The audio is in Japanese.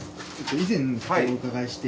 以前お伺いして。